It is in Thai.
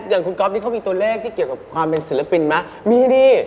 อย่างคุณก๊อฟนี่เขามีตัวเลขที่เกี่ยวกับความเป็นศิลปินไหมมีให้ดี